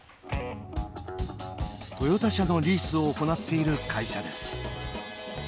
トヨタ車のリースを行っている会社です。